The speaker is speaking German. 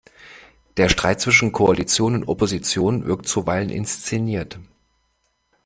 Der Streit zwischen Koalition und Opposition wirkt zuweilen inszeniert.